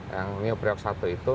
yang new priok satu itu